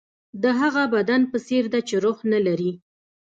د هغه بدن په څېر ده چې روح نه لري.